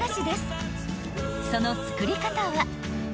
［その作り方は］